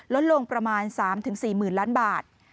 ลดลงประมาณ๓๔๐๐๐ล้านบาท